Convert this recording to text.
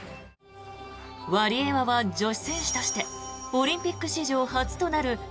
ワリエワは女子選手としてオリンピック史上初となる